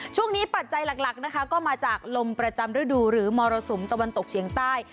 ปัจจัยหลักนะคะก็มาจากลมประจำฤดูหรือมรสุมตะวันตกเฉียงใต้